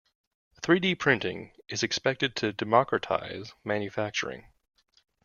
Three-D printing is expected to democratize manufacturing.